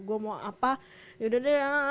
gue mau apa yaudah deh